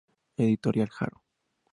Editorial Haro.